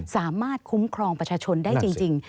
สามารถคุ้มครองประชาชนได้จริง